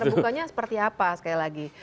terbukanya seperti apa sekali lagi